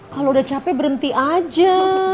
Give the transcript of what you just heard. kalau udah capek berhenti aja